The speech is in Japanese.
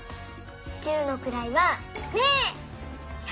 十のくらいは「０」。